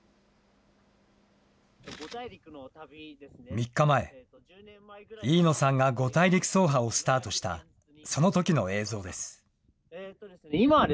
３日前、飯野さんが５大陸走破をスタートした、そのときの映像です。